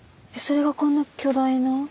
それがこんな巨大な。